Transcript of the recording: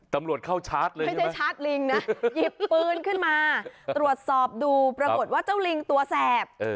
ตำรวจเข้าชาร์จเลยไม่ใช่ชาร์จลิงนะหยิบปืนขึ้นมาตรวจสอบดูปรากฏว่าเจ้าลิงตัวแสบ